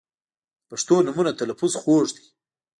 • د پښتو نومونو تلفظ خوږ دی.